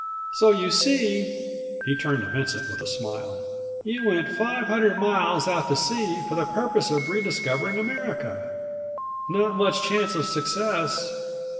"So you see," he turned to Vincent with a smile, "you went five hundred miles out to sea for the purpose of rediscovering America. Not much chance of success.